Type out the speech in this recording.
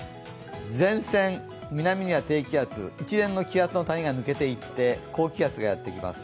前線、南には低気圧、一連の気圧の谷が抜けていって高気圧がやってきます。